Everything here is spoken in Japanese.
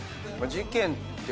事件。